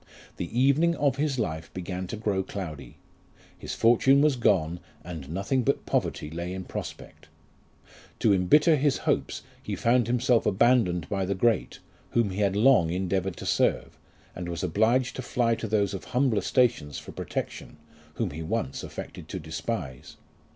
The evening of his life began to grow cloudy. His fortune was gone, and nothing but poverty lay in prospect. To embitter his hopes, he found himself abandoned by the great, whom he had long endeavoured to serve ; and was obliged to fly to those of humbler stations for protection, whom he once affected to despise.